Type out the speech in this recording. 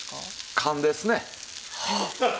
勘ですよ。